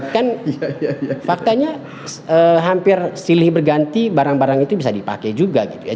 kan faktanya hampir silih berganti barang barang itu bisa dipakai juga gitu ya